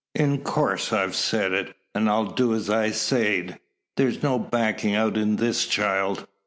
"In course I've said it, and I'll do as I've sayed. There's no backin' out in this child.